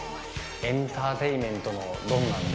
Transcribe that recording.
エンターテインメントのドンなので。